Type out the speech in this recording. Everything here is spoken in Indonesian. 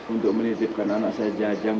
untuk menitipkan anak saya jajang